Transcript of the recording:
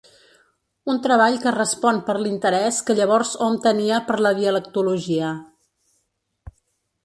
Un treball que respon per l’interès que llavors hom tenia per la dialectologia.